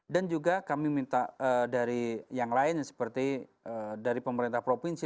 dan juga kami minta dari yang lain seperti dari pemerintah provinsi